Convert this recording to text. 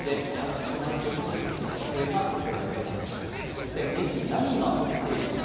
一体、ねぎに何が起きているのか。